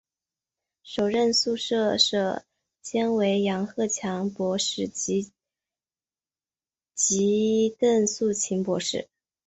首任宿舍舍监为杨鹤强博士及邓素琴博士。